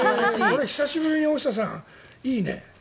これ久しぶりに大下さんいいね。